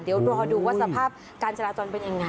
เดี๋ยวรอดูว่าสภาพการจราจรเป็นยังไง